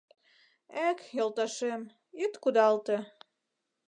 Эк, йолташем, ит кудалте